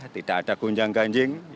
tidak ada gonjang ganjing